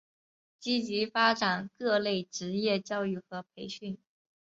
积极发展各类职业教育和培训。